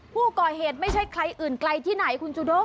ผู้ก่อเหตุไม่ใช่ใครอื่นไกลที่ไหนคุณจูด้ง